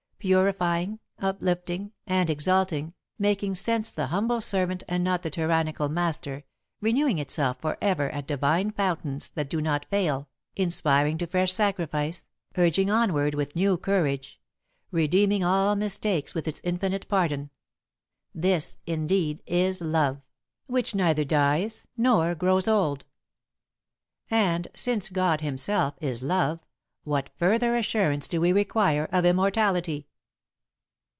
Purifying, uplifting, and exalting, making sense the humble servant and not the tyrannical master, renewing itself for ever at divine fountains that do not fail, inspiring to fresh sacrifice, urging onward with new courage, redeeming all mistakes with its infinite pardon; this, indeed is Love, which neither dies nor grows old. And, since God himself is Love, what further assurance do we require of immortality?